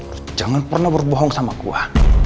lu jangan pernah berbohong sama gua